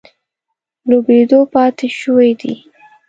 لوبېدو پاتې شوي دي.